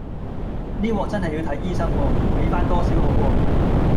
呢鑊真係要睇醫生喎，畀返多少好喎